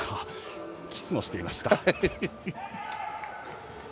キスもしていました。